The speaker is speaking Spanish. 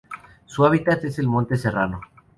Su hábitat es el monte serrano.